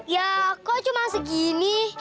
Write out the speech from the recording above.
ya kok cuma segini